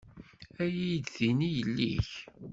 Ad iyi-d-tini yelli-k.